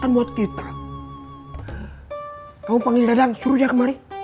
kamu panggil dadan suruh dia kemari